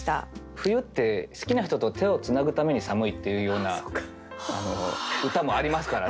冬って好きな人と手をつなぐために寒いっていうような歌もありますからね。